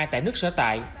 tại nước nước